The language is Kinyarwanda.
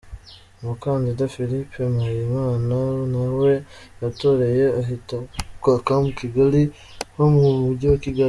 Umukandida Philippe Mpayimana na we yatoreye ahitwa Camp Kigali, ho mu mujyi wa Kigali.